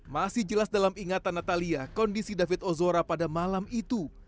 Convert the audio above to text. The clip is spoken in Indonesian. masih jelas dalam ingatan natalia kondisi david ozora pada malam itu